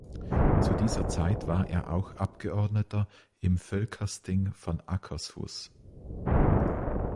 Zu dieser Zeit war er auch Abgeordneter im Fylkesting von Akershus.